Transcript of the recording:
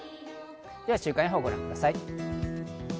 では週間予報をご覧ください。